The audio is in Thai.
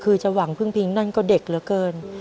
คือจะหวังพึ่งพิงนั่นก็เด็กเหลือเกิน